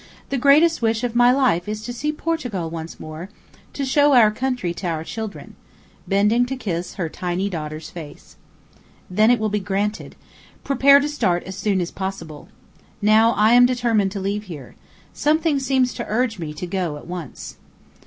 "The greatest wish of my life is to see Portugal once more, to show our country to our children," bending to kiss her tiny daughter's face. "Then it will be granted. Prepare to start as soon as possible. Now, I am determined to leave here. Something seems to urge me to go at once."